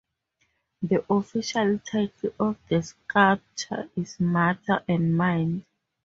The official title of the sculpture is "Matter and Mind".